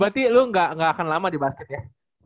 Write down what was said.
berarti lo nggak akan lama di basket ya